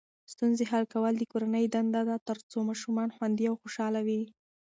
ستونزې حل کول د کورنۍ دنده ده ترڅو ماشومان خوندي او خوشحاله وي.